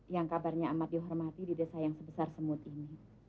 yang kabarnya amat dihormati di desa yang sebesar semut ini